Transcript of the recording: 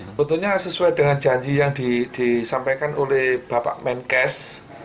sebetulnya sesuai dengan janji yang disampaikan oleh bapak menkes